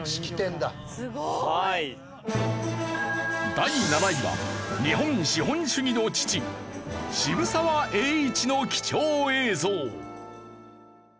第７位は日本資本主義の父渋沢栄一の貴重映像。